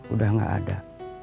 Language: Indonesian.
udah gak ada